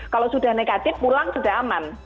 kalau sudah negatif pulang sudah aman